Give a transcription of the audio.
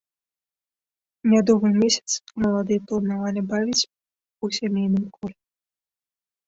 Мядовы месяц маладыя планавалі бавіць у сямейным коле.